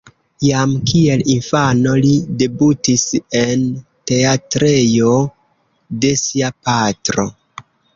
Jam kiel infano, li debutis en teatrejo de sia patro.